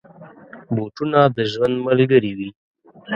بوټونه د ژوند ملګري وي.